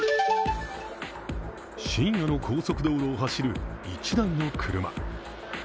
深夜の高速道路を走る一台の車。